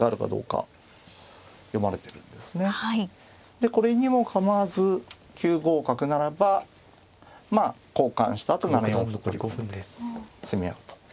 でこれにも構わず９五角ならばまあ交換したあと７四歩と取り込んで攻め合うと。